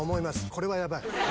これはヤバい。